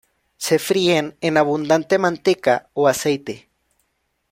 Se fríen en abundante manteca o aceite.